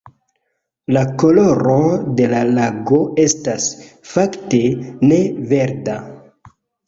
La koloro de la lago estas, fakte, ne verda.